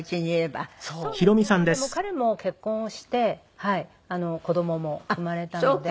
まあでも彼も結婚をして子供も生まれたので。